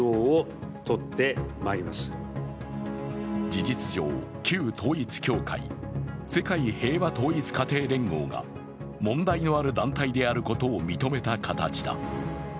事実上、旧統一教会、世界平和統一家庭連合が問題のある団体であることを認めた形だ。